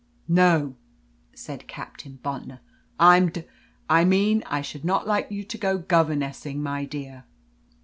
"No," said Captain Bontnor, "I'm d I mean I should not like you to go governessing, my dear."